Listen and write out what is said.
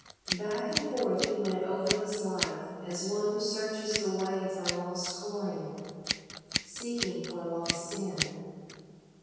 Back and forth he went over his life, as one who searches the way for a lost coin, seeking for a lost sin.